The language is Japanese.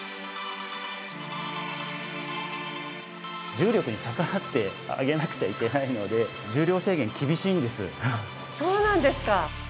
重力に逆らって上げなくちゃいけないのでそうなんですか。